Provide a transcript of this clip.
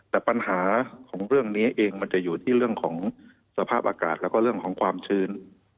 แต่ปัญหาของเรื่องนี้เองมันจะอยู่ที่เรื่องของสภาพอากาศแล้วก็เรื่องของความชื้น